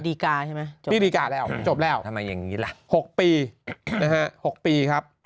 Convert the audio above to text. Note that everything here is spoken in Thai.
การใช่ไหมไม่ดีการ์แล้วจบแล้วทำไมอย่างนี้ล่ะ๖ปีนะฮะ๖ปีครับ